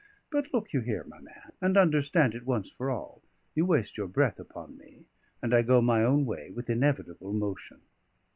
But look you here, my man, and understand it once for all you waste your breath upon me, and I go my own way with inevitable motion."